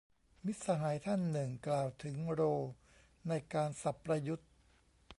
มิตรสหายท่านหนึ่ง กล่าวถึงโรลในการ สับประยุทธ์